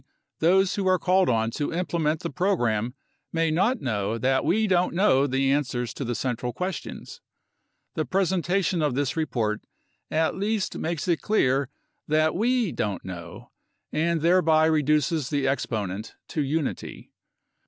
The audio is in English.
those who are called on to implement the program may not know that we don't know the answers to the central questions. The presentation of this report at least makes it clear that we don't know, and thereby re duces the exponent to unity.